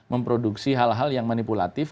memproduksi hal hal yang manipulatif